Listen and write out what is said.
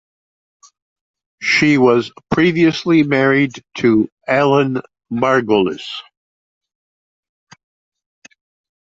She was previously married to Allan Margolis.